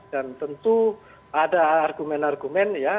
dan tentu ada argumen argumen ya